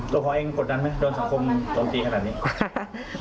ตัวพ่อเองกฎนั้นไหมโดนสังคมตรงทีขนาดนี้